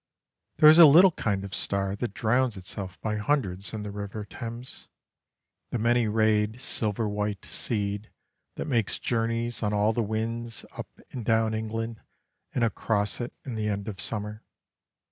There is a little kind of star that drowns itself by hundreds in the river Thames the many rayed silver white seed that makes journeys on all the winds up and down England and across it in the end of summer.